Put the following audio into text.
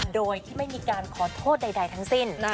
โดยที่ไม่มีการขอโทษใดทั้งสิ้น